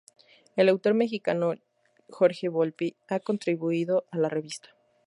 El autor mexicano Jorge Volpi ha contribuido a la revista.